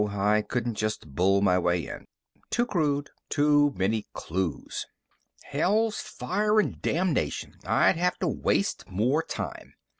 I couldn't just bull my way in. Too crude. Too many clues. Hell's fire and damnation! I'd have to waste more time.